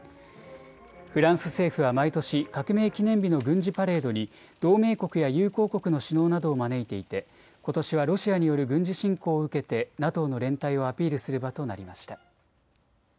フランス政府は毎年革命記念日の軍事パレードに同盟国や友好国の首脳などを招いていて、ことしはロシアによる軍事侵攻を受けてＮＡＴＯの連帯をアピールする場となりました。